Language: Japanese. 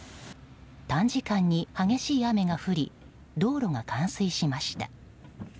短時間に激しい雨が降り道路が冠水しました。